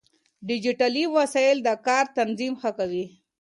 ډيجيټلي وسايل د کار تنظيم ښه کوي.